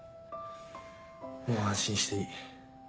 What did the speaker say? もう安心していい。